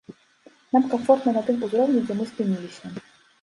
Нам камфортна на тым узроўні, дзе мы спыніліся.